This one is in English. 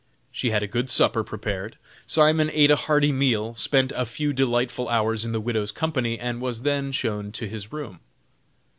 She had a good supper prepared, Simon ate a hearty meal, spent a few delightful hours in the widow's company, and was then shown to his room.